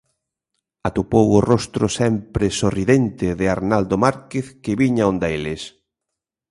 Atopou o rostro sempre sorridente de Arnaldo Márquez que viña onda eles.